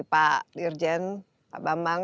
pak dirjen pak bama